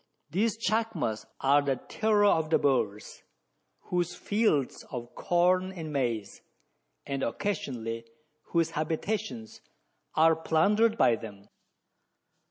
These chacmas are the terror of the Boers, whose fields of corn and maize, and occasionally whose habitations, are plundered by them.